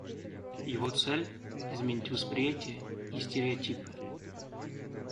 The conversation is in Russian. Его цель — изменить восприятие и стереотипы.